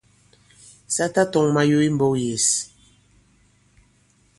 Sa tatɔ̄ŋ mayo i mbɔ̄k yěs.